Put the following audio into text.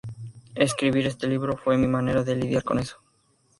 Escribir este libro fue mi manera de lidiar con eso.